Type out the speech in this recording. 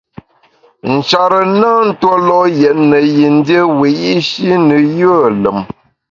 Nchare na ntue lo’ yètne yin dié wiyi’shi ne yùe lùm.